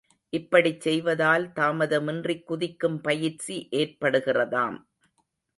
இப்படிச் செய்வதால் தாமதமின்றிக் குதிக்கும் பயிற்சி ஏற்படுகிறதாம்.